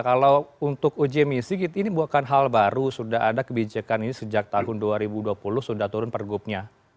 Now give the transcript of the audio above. kalau untuk uji emisi ini bukan hal baru sudah ada kebijakan ini sejak tahun dua ribu dua puluh sudah turun pergubnya